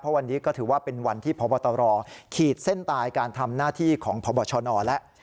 วันนี้ก็ถือว่าเป็นวันที่พบตรขีดเส้นตายการทำหน้าที่ของพบชนแล้ว